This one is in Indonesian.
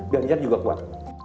ganjar juga kuat